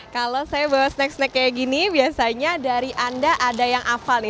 kalau saya bawa snack snack kayak gini biasanya dari anda ada yang hafal nih